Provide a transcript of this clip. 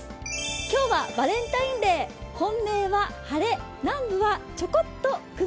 今日はバレンタインデー、本命は晴れ、南部はチョコッと雲。